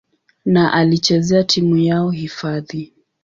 na alichezea timu yao hifadhi.